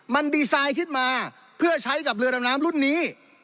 มันดีไซน์ขึ้นมาเพื่อใช้กับเรือดำน้ำรุ่นนี้